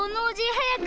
はやく。